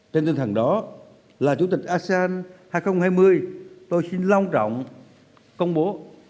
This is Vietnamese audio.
trên tinh thần đó là chủ tịch asean hai nghìn hai mươi tôi xin long trọng công bố